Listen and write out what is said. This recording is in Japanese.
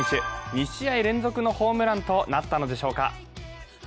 ２試合連続のホームランとなったのでしょうか。